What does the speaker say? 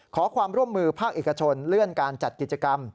ขอความร่วมมือภาคเอกชนเลื่อนการจัดกิจกรรม